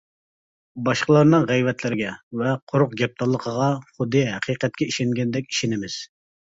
باشقىلارنىڭ غەيۋەتلىرىگە ۋە قۇرۇق گەپدانلىقىغا خۇددى ھەقىقەتكە ئىشەنگەندەك ئىشىنىمىز.